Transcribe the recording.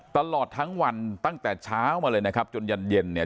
ตลอดทั้งวันตั้งแต่เช้ามาเลยนะครับจนยันเย็นเนี่ย